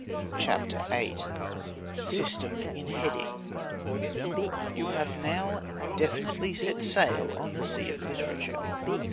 CHAPTER VIII SYSTEM IN HEADING You have now definitely set sail on the sea of literature.